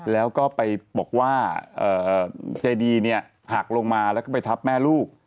แล้วก็ไปบอกว่าเจดีเนี่ยหักลงมาแล้วก็ไปทับแม่ลูก